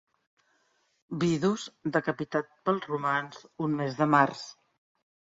Vidus decapitat pels romans un mes de març.